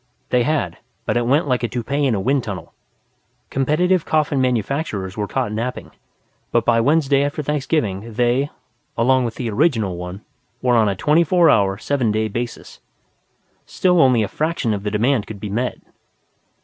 They had, but it went like a toupee in a wind tunnel. Competitive coffin manufacturers were caught napping, but by Wednesday after Thanksgiving they, along with the original one, were on a twenty four hour, seven day basis. Still only a fraction of the demand could be met.